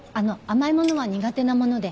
甘いものは苦手なもので。